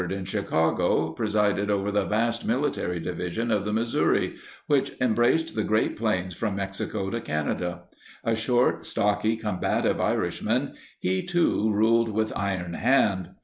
Sher idan, headquartered in Chicago, presided over the vast Military Division of the Missouri, which em braced the Great Plains from Mexico to Canada. A short, stocky, combative Irishman, he, too, ruled with iron hand.